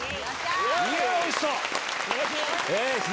おいしそう！